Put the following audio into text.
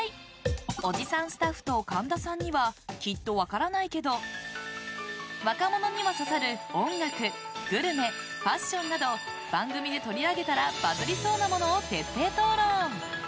おじさんスタッフと神田さんにはきっと分からないけど若者には刺さる音楽、グルメ、ファッションなど番組で取り上げたらバズりそうなものを徹底討論！